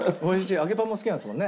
揚げパンも好きなんですもんね。